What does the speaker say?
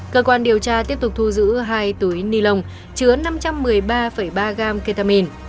cơ quan điều tra tiếp tục thu giữ hai túi ni lông chứa năm trăm một mươi ba ba gram ketamin